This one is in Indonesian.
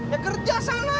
ya kerja sana